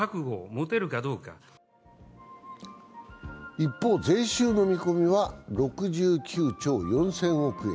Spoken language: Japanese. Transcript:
一方、税収の見込みは６９兆４０００億円。